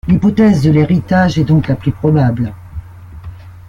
L'hypothèse de l'héritage est donc la plus probable.